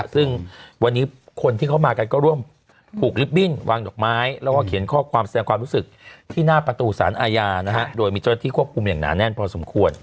ซึ่งวันนี้คนที่เข้ามากันก็ร่วมผูกลิฟตบิ้นวางดอกไม้แล้วก็เขียนข้อความแสดงความรู้สึกที่หน้าประตูสารอาญาโดยมีเจ้าหน้าที่ควบคุมอย่างหนาแน่นพอสมควร